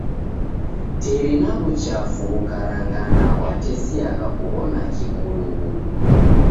Teri na w'uchafu ghukarangana ghwatesiagha kuw'ona kikulughulu.